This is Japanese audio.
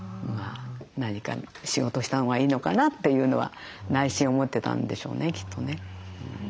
何か仕事をしたほうがいいのかなというのは内心思ってたんでしょうねきっとね。